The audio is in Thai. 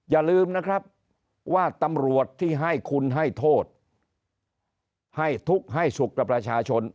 อย่าลืมนะครับว่าตำรวจที่ให้คุณให้โทษให้ทุกข์ให้สุขกับประชาชน